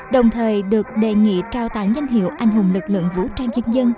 đồng thời được đề nghị trao tảng danh hiệu anh hùng lực lượng vũ trang dân dân